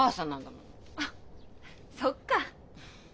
あっそっか。